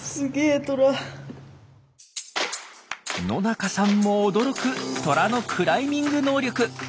野中さんも驚くトラのクライミング能力。